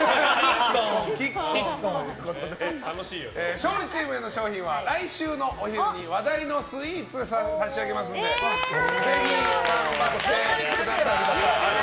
勝利チームへの賞品は来週のお昼に話題のスイーツ差し上げますのでぜひ頑張ってください。